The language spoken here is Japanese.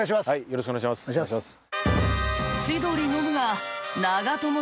よろしくお願いします。